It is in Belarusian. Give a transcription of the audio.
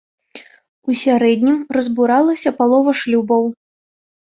У сярэднім разбуралася палова шлюбаў.